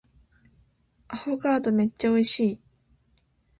アフォガードめっちゃ美味しい